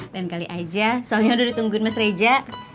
lain kali aja soalnya udah ditunggu mas reja